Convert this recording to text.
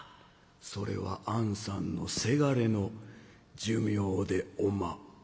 それはあんさんのせがれの寿命でおま」。